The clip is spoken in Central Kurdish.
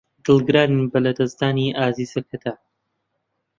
دڵگرانین بە لەدەستدانی ئازیزەکەتان.